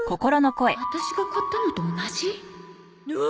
ワタシが買ったのと同じ？